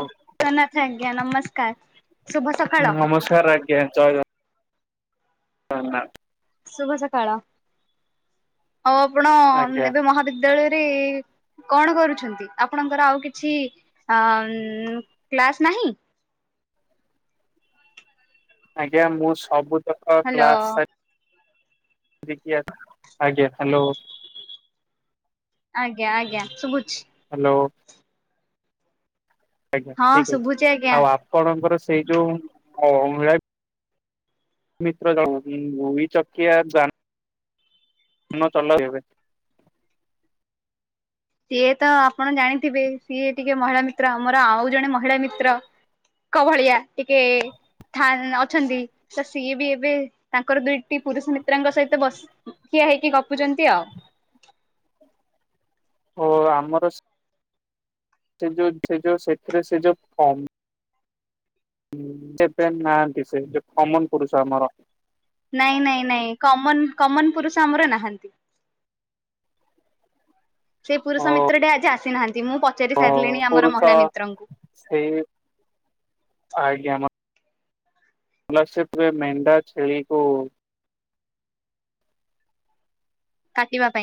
ଜଗନ୍ନାଥ ଆଜ୍ଞା ନମସ୍କାର ଶୁଭ ସକାଳ। ନମସ୍କାର ହଁ ନାଁ। ଶୁଭ ସକାଳ ଆଉ ଆପଣ ଆଜ୍ଞା ଏବେ ମହାବିଦ୍ୟାଳୟରେ କଣ କରୁଛନ୍ତି ଆପଣଙ୍କର ଆଉ କିଛି କ୍ଲାସ ନାହିଁ? ଆଜ୍ଞା ମୁଁ ସବୁ ତକ ହ୍ୟାଲୋ କ୍ଲାସ ସାରି ଦେଖି ଆଜ୍ଞା ହ୍ୟାଲୋ। ଆଜ୍ଞା ଆଜ୍ଞା ଶୁଭୁଛି। ହ୍ୟାଲୋ। ଆଜ୍ଞା ହଁ ଠିକ ଅଛି ଶୁଭୁଛି ଆଜ୍ଞା। ଆଉ ଆପଣଙ୍କର ସେଇ ଯୋଉ ଅଳା ମିତ୍ର ଭବି ଚକିଆ [unintelligible] ଯାନ ଚଳେଇବେ ଏବେ ସିଏ ତ ଆପଣ ଜାଣିଥିବେ ସିଏ ଟିକେ ମହିଳା ମିତ୍ର ମୋର ଆଉ ଜଣେ ମହିଳା ମିତ୍ର କଉଭଳିଆ ଟିକେ ଥାନ ଅଛନ୍ତି ତ ସିଏ ବି ଏବେ ତାଙ୍କର ଦୁଇଟି ପୁରୁଷ ମିତ୍ରଙ୍କ ସହିତ ବସି ହେଇକି ଗପୁଛନ୍ତି ଆଉ। ଓ ଆମର ସେ ଯୋଉ -ସେ -ଯୋଉ -ସେଥିରେ ସେ ଯୋଉ ଫମ ଯେବେ ନାହାଁନ୍ତି ସେ କମନ କରୁଛ ଆମର ନାଇଁ ନାଇଁ ନାଇଁ କମନ କମନ ପୁରୁଷ ଆମର ନାହାନ୍ତି। ସେଇ ଓ ପୁରୁଷ ମିତ୍ର ଟା ଆଜି ଆସିନାହାନ୍ତି। ମୁଁ ପଚାରି ସାରିଲିଣି ଆମର ପୁରୁଷ ମହିଳା ସେଇ ମିତ୍ରଙ୍କୁ। ସ୍କଲରଶିପ ରେ ମେଣ୍ଢା, ଛେଳିକୁ କାଟିବା ପାଇଁ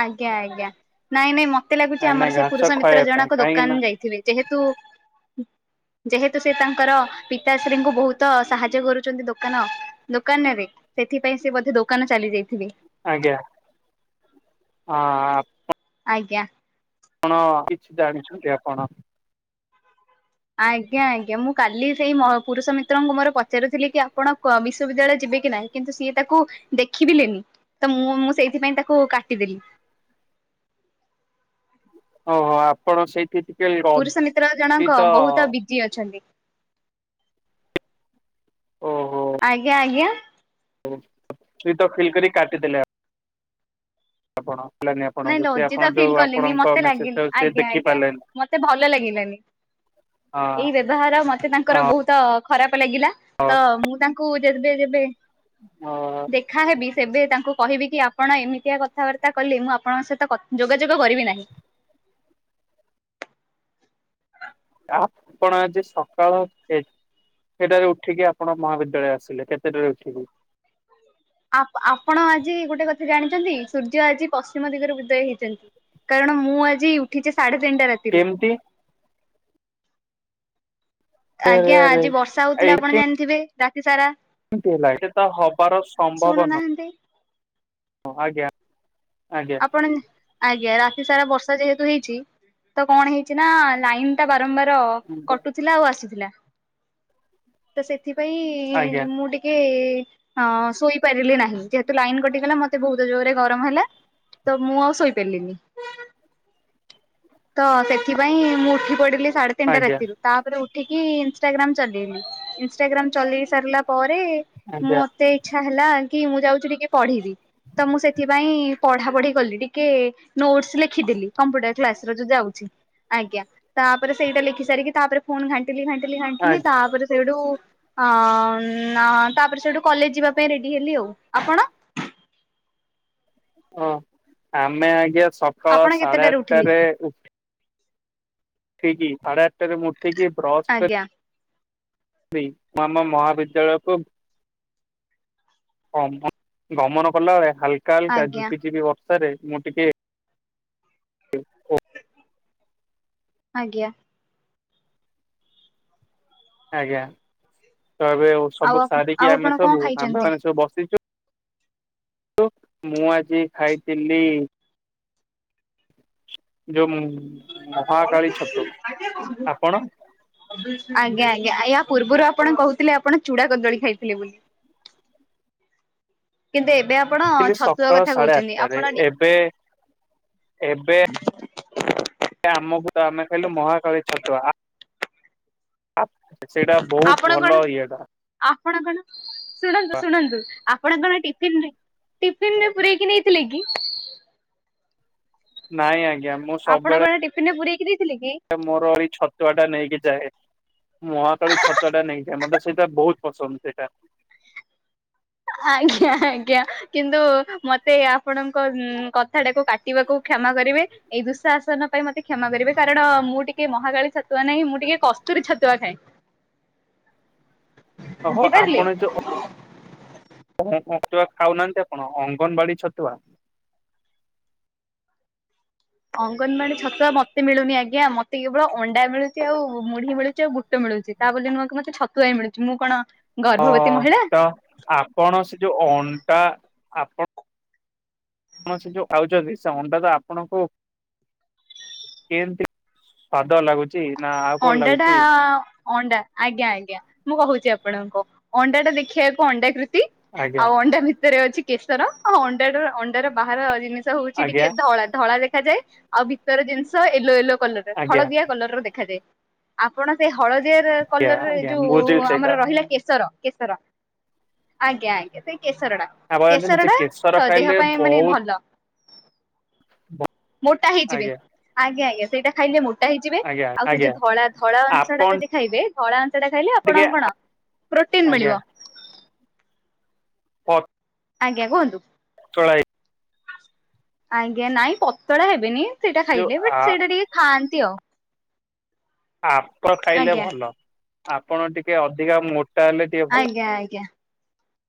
ଆଜ୍ଞା ଆଜ୍ଞା ନାଇଁ ନାଇଁ ମେ ଏତେ ଲାଗୁଛି ନାଇଁ ନାଇଁ ଆମର ସେ ଘାସ ପୁରୁଷ ମିତ୍ର ଖୁଆଇବା ପାଇଁ ଜଣକ କାହିଁକି ନା ଦୋକାନ ଯାଇଥିବେ ଯେହେତୁ ଯେହେତୁ ସେ ତାଙ୍କର ପିତାଶ୍ରୀଙ୍କୁ ବହୁତ ସାହାଯ୍ୟ କରୁଛନ୍ତି ଦୋକାନ ଦୋକାନରେ ସେଥିପାଇଁ ସେ ବୋଧେ ଦୋକାନ ଚାଲି ଯାଇଥିବେ? ଆଜ୍ଞା ହଁ ଆଜ୍ଞା। ଆପଣ କିଛି ଜାଣିଛନ୍ତି ଆପଣ? ଆଜ୍ଞା ଆଜ୍ଞା ମୁଁ କାଲି ସେଇ ପୁରୁଷ ମିତ୍ରଙ୍କୁ ମୋର ପଚାରୁଥିଲି କି ଆପଣ ବିଶ୍ୱବିଦ୍ୟାଳୟ କେବେ ଯିବେ କି ନାହିଁ କିନ୍ତୁ ସିଏ ତାକୁ ଦେଖିବିଲେନି। ତ ମୁଁ ମୁଁ ସେଇଥିପାଇଁ ତାକୁ କାଟିଦେଲି। ଓହୋ ଆପଣ ସେଇଥି ପୁରୁଷ ମିତ୍ର ଜଣଙ୍କ ବହୁତ ବିଜି ଅଛନ୍ତି। ଓହୋ। ଆଜ୍ଞା ଆଜ୍ଞା। ଅଥଚ ଫିଲ୍ କରି କାଟିଦେଲେ। ଆପଣ। ହେଲାନି ନାଇଁ ଆପଣଙ୍କୁ ସେ ଆପଣ ଲଜିତା ଫିଲ୍ ଯୋଉ କଲିନି ଆପଣଙ୍କ ମତେ ମେସେଜ ଲାଗି ଟାକୁ ସେ ଆଜ୍ଞା ଦେଖି ଆଜ୍ଞା ପାରିଲେନି ମତେ ଭଲ ଲାଗିଲାନି। ଏଇ ବ୍ୟବହାର ମତେ ତାଙ୍କର ହଁ ବହୁତ ଖରାପ ଲାଗିଲା ତ ମୁଁ ତାଙ୍କୁ ଯେବେ ଯେବେ ଅ ଦେଖାହେବି ସେବେ ତାଙ୍କୁ କହିବି କି ଆପଣ ଏମିତିଆ କଥାବାର୍ତ୍ତା କଲେ ମୁଁ ଆପଣଙ୍କ ସହିତ ଯୋଗାଯୋଗ କରିବି ନାହିଁ। ଆପଣ ଆଜି ସକାଳଫେ କେତେଠାରୁ ଉଠିକି ଆପଣ ମହାବିଦ୍ୟାଳୟ ଆସିଲେ କେତେଟାରେ ଉଠିକି? ଆପ୍ ଆପଣ ଆଜି ଗୋଟେ କଥା ଜାଣିଛନ୍ତି ସୂର୍ଯ୍ୟ ଆଜି ପଶ୍ଚିମ ଦିଗରୁ ଉଦୟ ହେଇଛନ୍ତି। କାରଣ ମୁଁ ଆଜି ଉଠିଛି ସାଢେ ତିନିଟା ରାତିରୁ। କେମିତି ଆରେ ଆଜ୍ଞା ଆରେ ଆଜି ବର୍ଷା ହଉଥିଲା ଆପଣ ଜାଣିଥିବେ ରାତି ସାରା। ସେଟା ତ ହବାର ସମ୍ଭବନ ଶୁଣୁନାହାନ୍ତି। ଆଜ୍ଞା। ଆଜ୍ଞା ଆପଣ ଆଜ୍ଞା। ରା ରାତିସାରା ବର୍ଷା ଯେହେତୁ ହେଇଛି ତ କଣ ହେଇଛି ନା ଲାଇନ୍ ଟା ବାରମ୍ବାର ଆଜ୍ଞା କଟୁଥିଲା ଆଉ ଆସୁଥିଲା। ଆଜ୍ଞା ସେଥିପାଇଁ ମୁଁ ଟିକେ ହଁ ଶୋଇପାରିଲି ନାହିଁ। ଯେହେତୁ ଲାଇନ୍ କଟିଗଲା ମତେ ବହୁତ ଜୋରରେ ଗରମ ହେଲା। ତ ମୁଁ ଆଉ ଶୋଇପାରିଲିନି। ତ ସେଥିପାଇଁ ମୁଁ ଉଠି ପଡିଲି। ସାଢେ ତିନିଟା ଆଜ୍ଞା ରାତିରୁ ତାପରେ ଉଠିକି ଇଷ୍ଟାଗ୍ରାମ ଚଲେଇଲି। ଇଷ୍ଟାଗ୍ରାମ ଚଲେଇସାରିଲା ପରେ ତାପରେ ଆଜ୍ଞା ମତେ ଇଚ୍ଛା ହେଲା କି ମୁଁ ଯାଉଛି ଟିକେ ପଢିବି। ତ ମୁଁ ସେଥିପାଇଁ ପଢା ପଢି କଲି। ଟିକେ ନୋଟସ୍ ଲେଖିଦେଲି। କମ୍ପ୍ୟୁଟର୍ କ୍ଲାସ୍ ଏଥର ଯାଉଚି ଆଜ୍ଞା ତାପରେ ସେଇଟା ଲେଖି ସାରିକି ତାପରେ ପୁଣି ଘାଣ୍ଟିଲି ଘାଣ୍ଟିଲି ଘାଣ୍ଟିଲି ତାପରେ ସେଇଠୁ ଅ ତାପରେ ସେଠୁ କଲେଜ ଯିବା ପାଇଁ ରେଡି ହେଲି ଆଉ। ଆପଣ? [inaudible] ହଁ ଆମେ ଆଜ୍ଞା ସକାଳ ଆପଣ ସାଢେ କେତେଟାରେ ଉଠିଲେ ଆଠଟାରେ ଉ ଠିକ୍ ସାଢ଼େ ଆଠଟାରେ ମୁଁ ଉଠିକି ବ୍ରସ୍ ଆଜ୍ଞା ମୁଁ ଆାମ ମହାବିଦ୍ୟାଳୟ କୁ ଗମନ ଗମନ କଲା ବେଳେ ହାଲକା ହାଲକା ଆଜ୍ଞା ଝିପିଝିପି ବ ବର୍ଷା ରେ ମୁଁ ଟିକେ ଆଜ୍ଞା। ଆଜ୍ଞା, ତ ଏବେ ଆଉ ସବୁ ଆଉ ସାରିକି ଆପଣ ଆମେ କଣ ସବୁ ଆମ୍ଭେ ଖାଇଛନ୍ତି? ମାନେ ସବୁ ବସିଚୁ। ମୁଁ ଆଜି ଖାଇଥିଲି ଯୋଉ ମୁଁ ଆଜ୍ଞା ଆପଣ ଆଜ୍ଞା ୟା ପୂର୍ବରୁ ଆପଣ କହୁଥିଲେ ଆପଣ ଚୁଡା କଦଳୀ ଖାଇଥିଲେ ବୋଲି। କିନ୍ତୁ ଏବେ ଆପଣ ଉଠିଲି ଛତୁଆ ସକାଳ କଥା ସାଢେ କହୁଛନ୍ତି ଆଠଟାରେ। ଆପଣ ଟି ଏବେ ଏବେ ଆମକୁ ଆମେ ଖାଇଲୁ ମହାକାଳୀ ଛତୁଆ। ଆ ସେଇଟା ବହୁତ ଆପଣ କଣ ଭଲ ଇଏଟା। ଆପଣ କଣ ଶୁଣନ୍ତୁ ଶୁଣନ୍ତୁ ଆପଣ କଣ ଟିଫିନ ନେ ଟିଫିନ ରେ ପୁରେଇକି ନେଇଥିଲେ କି? ନାଇଁ ଆଜ୍ଞା ମୁଁ ଆପଣ ସବୁବେଳେ କଣ ଟିଫିନରେ ପୁରେ ମୋର ଏଇ ଛତୁଆ ଟା ନେଇକି ଯାଏ। ମହାକାଳୀ ଛତୁଆ ଟା ନେଇଥାଏ। ମତେ ସେଇଟା ବହୁତ ପସନ୍ଦ ସେଇଟା। ଆଜ୍ଞା ଆଜ୍ଞା କିନ୍ତୁ ମତେ ଆପଣଙ୍କ କଥା ଟାକୁ କାଟିବାକୁ କ୍ଷ କ୍ଷମା କରିବେ। ଏଇ ଦୁଃଶାଆସନ ପାଇଁ ମତେ କ୍ଷମା କରିବେ। କାରଣ ଟିକେ ମହାକାଳୀ ଛତୁଆ ନାହିଁ ମୁଁ ଟିକେ କସ୍ତୁ ରୀ ଛତୁଆ ଖାଏ। ଓହୋ ବୁଝିପାରିଲେ? ଆପଣ ଯୋ ତୁଆ ଖାଉନାହାନ୍ତି ଆପଣ ଅଙ୍ଗନବାଡି ଛତୁଆ। ଅଙ୍ଗନବାଡି ଛତୁଆ ମତେ ମିଳୁନି ଆଜ୍ଞା। ମତେ କେବଳ ଅଣ୍ଡା ମିଳୁଛି ଆଉ ମୁଢି ମିଳୁଛି ଆଉ ବୁଟ ମିଳୁଛି। ମିଳୁଛି। ତା ବୋଲି ନୁହେଁ କି ମତେ ଛତୁଆ ମିଳୁଛି। ମୁଁ କଣ ଗର୍ଭବତୀ ହଁ ମହିଳା ତ ଆପଣ ସେ ଯୋଉ ଅଣ୍ଡା ଆପ [unintelligible] ଯୋଉ ଖାଉଛନ୍ତି ସେ ଅଣ୍ଡା ତ ଆପଣଙ୍କୁ କେମତି। [unintelligible] ଅଣ୍ଡାଟା ଅଣ୍ଡା ଆଜ୍ଞା ଆଜ୍ଞା ମୁଁ କହୁଛି ଆପ ଣଙ୍କୁ ଅଣ୍ଡା ଟା ଦେଖିବାକୁ ଅଣ୍ଡା କୃତି ଆଜ୍ଞା ଆଉ ଅଣ୍ଡା ଭିତରେ ଅଛି କେଶର ଅଣ୍ଡା ଅଣ୍ଡାର ବାହାର ଜିନିଷ ହଉଛି ଟିକେ ଆଜ୍ଞା ଧଳା ଧଳା ଦେଖା ଯାଏ ଆଉ ଭିତର ଜିନିଷ ୟେଲୋ ୟେଲୋ କଲର ଆଜ୍ଞା ହଳଦିଆ କଲର ର ଦେଖାଯାଏ ଆପଣ ସେ ହ ହଳଦିଆର ଆଜ୍ଞା କଲର ଆଜ୍ଞା ଯୋଉ ମୁଁ ବୁଝିଲି ଆମର ସେଇଟା ରହିଲା କେଶର। କେଶର ଆଜ୍ଞା ଆଜ୍ଞା। କେଶର ଟା ଆପଣ ଜାଣିଛନ୍ତି କେଶର ସେ କେଶର ଟା ଦେହ ଖାଇଲେ ପାଇଁ ମାନେ ବହୁତ ଭଲ। ମୋଟା ହେଇଯିବେ ଆଜ୍ଞା ଆଜ୍ଞା ଆଜ୍ଞା ସେଇଟା ଖାଇଲେ ମୋଟା ଟା ହେଇଯିବ ଆଜ୍ଞା ଆଉ ସେ ଆଜ୍ଞା ଯୋଉ ଧଳା ଧଳା ଅଂଶ ଟା ଆପଣ ଯଦି ଖାଇବେ ଧଳା ଖାଇଲେ ଆପଣ ଟିକେ ଙ୍କୁ କଣ ପ୍ରୋଟିନ୍ ମିଳିବ। କଟ୍। ଆଜ୍ଞା କୁହନ୍ତୁ। ଚଳାଇ। ଆଜ୍ଞା ନାଇଁ ପତଳା ହେବେନି ସେଇଟା ଯୋଉ ଖାଇଲେ ବଟ ଆ ସେଇଟା ଟିକେ ଖାଆନ୍ତି। ତୀ ଆଉ। ଆପ ଖାଇଲେ ଆଜ୍ଞା ଭଲ ଆପଣ ଟିକେ ଅଧିକା ମୋ ଆଜ୍ଞା ଆଜ୍ଞା।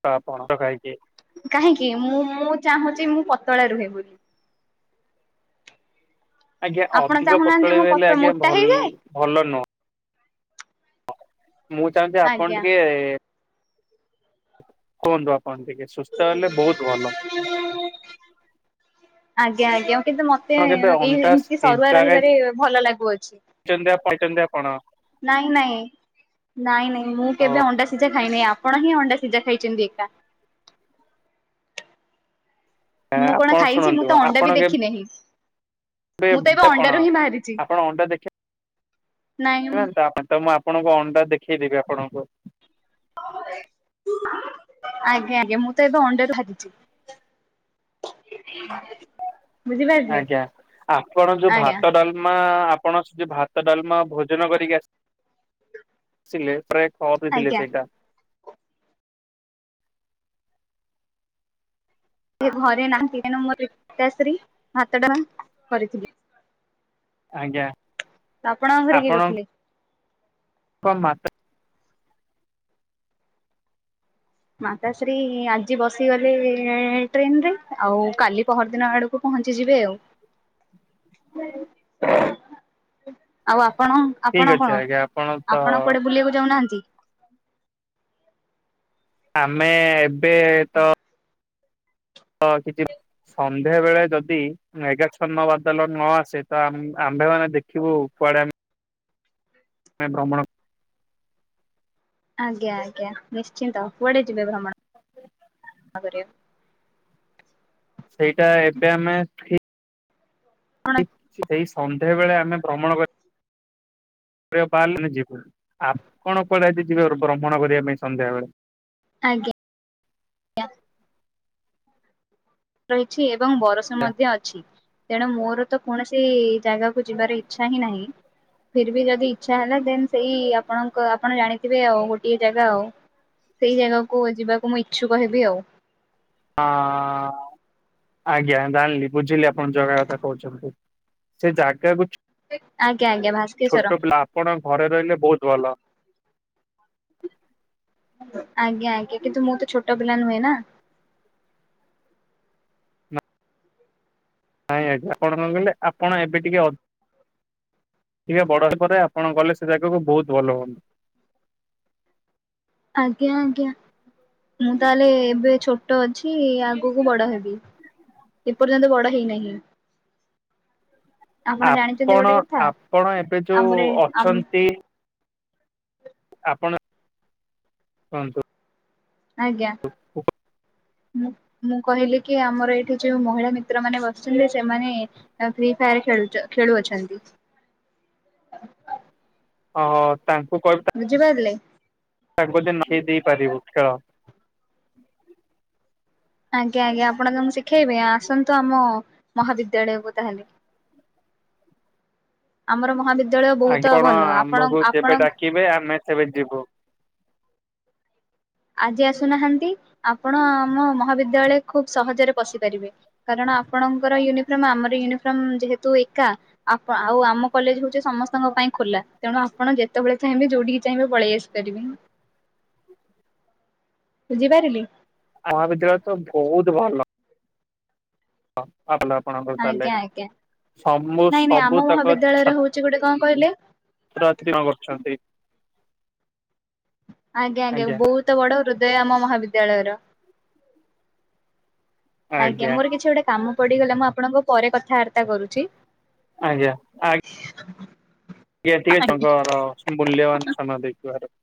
[unintelligible] ଖାଇକି। କାହିଁକି ମୁଁ ମୁଁ ଚାହୁଁଛି ମୁଁ ପତଳା ରୁହେ ବୋଲି। ଆଜ୍ଞା ଆପଣ ଅଧିକ ଚାହୁଁନାହାନ୍ତି ପତଳ ମୁଁ ପତ ହେଲେ ଆଜ୍ଞା ମୋଟା ଭଲ ହେଇଯାଏ ଭଲ ନୁହଁ। ମୁଁ ଚାହୁଁଛି ଆପଣ ଆଜ୍ଞା। ଟିକେ କୁହନ୍ତୁ ଆପଣ ଟିକେ ସୁସ୍ଥ ହେଲେ ବହୁତ ଭଲ। ଆଜ୍ଞା ଆଜ୍ଞା କିନ୍ତୁ ମତେ ଆପଣ କେବେ ଏଇ ଅଣ୍ଡା ଏମିତି ସରୁଆ ସିଝା ରହିବାରେ ଭଲ ଲାଗୁଅଛି। ଖାଇଛନ୍ତି ଖାଇଛନ୍ତି ଆପଣ? ନାଇଁ ନାଇଁ ନାଇଁ ନାଇଁ ମୁଁ କେବେ ଅଣ୍ଡା ସିଝା ନାହିଁ ଆପଣ ହିଁ ଅଣ୍ଡା ସିଝା ଖାଇଛନ୍ତି ଏକା। ମୁଁ କଣ ଆପଣ ଖାଇଛି ମୁଁ ଶୁଣନ୍ତୁ ତ ଅଣ୍ଡା ଆପଣ ବି ଦେଖି ନାହିଁ। [unintelligible] ଆପଣ ଅଣ୍ଡା ଦେଖି ନାଇଁ ତ। [unintelligible] ଆପଣଙ୍କୁ ଅଣ୍ଡା ଦେଖେଇଦେବି ଆପଣଙ୍କୁ। [unintelligible] ଆଜ୍ଞା ଆଜ୍ଞା ମୁଁ ତ ଏବେ ଅଣ୍ଡା ରୁ ବାହାରିଛି। ବୁଝିପାରିଲେ। ଆଜ୍ଞା ଆପଣ ଯୋଉ ଆଜ୍ଞା ଭାତ ଡାଲମା ଆ ଆପଣ ଭାତ ଡାଲମା ଭୋଜନ କରିକି ଆ ଆସିଲ ପ୍ରାୟ ଅଫ ରେ ଥିଲେ ଆଜ୍ଞା ସେଇଟା। ସେ ଘରେ ନାହାଁନ୍ତି କାଇ ନା ମୁଁ ପିତାଶ୍ରି ଭାତ ଡାଲମା କରିଥିଲି। ଆଜ୍ଞା। ତ ଆପଣଙ୍କ ଘରେ କିଏ କରିଥିଲେ? କ ମାତ୍ରା ମାତାଶ୍ରୀ ଆଜି ବସିଗଲେ ଟ୍ରେନ ରେ ଆଉ କାଲି ପହର ଦିନ ଆଡକୁ ପହଞ୍ଚି ଯିବେ ଆଉ ଆଉ ଆ ଆପଣ ଠିକ୍ ଆପଣ ଅଛି କଣ ଆଜ୍ଞା ଆପଣ ତ ଆପଣ କୁଆଡେ ବୁଲିବାକୁ ଯାଉନାହାନ୍ତି। ଆମେ ଏବେ ତ ତ କିଛି। ସନ୍ଧ୍ୟା ବେଳେ ଯଦି ମେଘାଛନ୍ନ ବାଦଲ ନ ଆସେ ତ ଆ ଆମ୍ଭେ ମାନେ ଦେଖିବୁ କୁଆଡେ଼ ଆମ ଭ୍ରମଣ ଆଜ୍ଞା ଆଜ୍ଞା ନିଶ୍ଚିନ୍ତ କୁଆଡେ ଯିବେ ଭ୍ରମଣ? ହ [inaudible] କରିଆ ସେଇଟା ଏବେ ଆମେ ଠି କଣ [unintelligible] ଏଇ ସନ୍ଧ୍ୟା ବେଳେ ଆମେ ଭ୍ରମଣ କରି ବାହାରିଲନି ଯିବୁ ଆପଣ କୁଆଡେ଼ ଯିବେ ଭ୍ରମଣ କରିବା ପାଇଁ ସନ୍ଧ୍ୟାବେଳେ। ଆଜ୍ଞା ଆ ରହିଛି, ଏବଂ ବରଷ ମଧ୍ୟ ଅଛି ତେଣୁ ମୋର ତ କୌଣସି ଜାଗାକୁ ଯିବାର ଇଚ୍ଛା ହିଁ ନାହିଁ। ଫିର୍ ବି ଯଦି ଇଛା ହେଲା। ଦେନ୍ ସେଇ ଆପଣଙ୍କ- ଆପଣ ଜାଣିଥିବେ ଆଉ ଗୋଟିଏ ଜାଗା ଆଉ। ସେଇ ଜାଗାକୁ ଯିବାକୁ ମୁଁ ଇଚ୍ଛୁକ ହେବି ଆଉ। ହଁ- ଆଜ୍ଞା ଡାଣିଲି ବୁଝିଲି ଆପଣ ଜଗା କଥା କହୁଛନ୍ତି। ସେ ଜାଗାକୁ ଆଜ୍ଞା ଆଜ୍ଞା ଭାସ୍କେଶ୍ଵର। ଛୋଟ ପିଲା ଆପଣ ଘରେ ରହିଲେ ବହୁତ ଭଲ। ଆଜ୍ଞା ଆଜ୍ଞା କିନ୍ତୁ ମୁଁ ତ ଛୋଟ ପିଲା ନୁହେଁ ନା। ଆଜ୍ଞ ଆଜ୍ଞା ଆପଣ କଣ କହିଲେ ଆପଣ ଏବେ ଟିକେ ଅ ଟିକେ ବଡ ପରେ ଆପଣ ଗଲେ ସେ ଜାଗାକୁ ବହୁତ ଭଲ ହୁଅନ୍ତା। ଆଜ୍ଞା ଆଜ୍ଞା। ମୁଁ ତାହେଲେ ଏବେ ଛୋଟ ଅଛି, ଆଗକୁ ବଡ ହେବି। ଏପର୍ଯ୍ୟନ୍ତ ବଡ ହେଇନାହିଁ। ଆପଣ ଜାଣିଛନ୍ତି ଗୋଟେ କଥା। ଆପଣ ଏବେ ଯୋଉ ଆମର ଏ ଆମ୍ ଅଛନ୍ତି ଆପଣ କୁହନ୍ତୁ। ଆଜ୍ଞା ହଁ। ମୁଁ କହିଲି କି ଆମର ଏଇଠି ଯୋଉ ମହିଳା ମିତ୍ର ମାନେ ବସିଥିଲେ। ସେମାନେ ଫ୍ରି ଫାୟାର ଖେଲୁଚ ଖେଳ ଖେଳୁ ଅଛନ୍ତି। ଓ ହୋ। ବୁଝିପାରିଲେ। [unintelligible] ନ ଦେଇ ପାରିବୁ ଖେଳ। ଆଜ୍ଞା ଆଜ୍ଞା ଆପଣ ତାଙ୍କୁ ଶିଖେଇବେ। ଆସନ୍ତୁ ଆମ ମହାବିଦ୍ୟାଳୟକୁ ତାହେଲେ। ଆମର ମହାବିଦ୍ ବିଦ୍ୟାଳୟ ବହୁତ ଆପଣ ଭଲ। ଆମ୍ଭକୁ ଆପଣଙ୍କ ଯେବେ ଆପଣଙ୍କ ଡାକିବେ ଆମେ ସେବେ ଯିବୁ। ଆଜି ଆସୁନାହାନ୍ତି। ଆପଣ ଆମ ମହାବିଦ୍ୟାଳୟ ଖୁବ୍ ସହଜରେ ପସିପାରିବେ କାରଣ ଆପଣଙ୍କର ୟୁନିଫର୍ମ ଆମର ୟୁନିଫର୍ମ ଯେହେତୁ ଏକା। ଆପ୍- ଆଉ ଆମ କଲେଜ ହଉଚି ସମସ୍ତଙ୍କ ପାଇଁ ଖୋଲା। ତେଣୁ ଆପଣ ଯେତେବେଳେ ଚାହିଁବେ ଯୋଉଠିକି ଚାହିଁବେ ପଳେଇ ଆସିପାରିବେ। ବୁଝିପାରିଲି। ମହାବିଦ୍ୟାଳୟ ତ ବହୁତ ଭଲ। ହ ଆଲାପଣଙ୍କର ତାହେଲେ। ଆଜ୍ଞା ଆଜ୍ଞା ସମୁ ନାଇଁ ନାଇଁ ସବୁ ଆମ ତକ ମହାବିଦ୍ୟାଳୟରେ ହଉଛି ଗୋଟେ କଣ କହିଲେ ଛାତ୍-ଛାତ୍ରୀ କଣ କରୁଛନ୍ତି? ଆଜ୍ଞା ଆଜ୍ଞା ବହୁତ ବଡ ହୃଦୟାମ ମହାବିଦ୍ୟାଳୟର। ଆଜ୍ଞା ମୋର କିଛି ଗୋଟେ କାମ ପଡିଗଲା ମୁଁ ଆପଣଙ୍କ ପରେ କଥାବାର୍ତ୍ତା କରୁଛି। ଆଜ୍ଞା ଆଙ୍ଗ ଟିକେ ଟିକେ ଆଜ୍ଞା। ଚଙ୍କର ମୂଲ୍ୟବାନ ସମୟ ଦେଇଥିବାର।